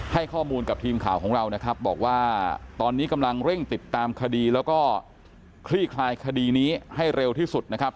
ให้ข้อมูลกับทีมข่าวของเรานะครับบอกว่าตอนนี้กำลังเร่งติดตามคดีแล้วก็คลี่คลายคดีนี้ให้เร็วที่สุดนะครับ